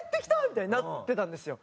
みたいになってたんですよ。